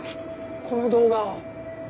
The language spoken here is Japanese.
この動画を。